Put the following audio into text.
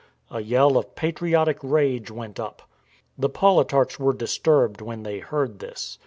A yell of patriotic rage went up. The politarchs were disturbed when they heard this.